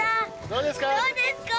どうですか？